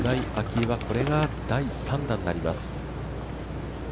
愛はこれが第３打になります。